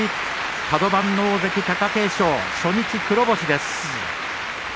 カド番の大関貴景勝初日黒星です。